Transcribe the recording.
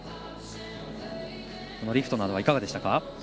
リフトなどはいかがでしたか？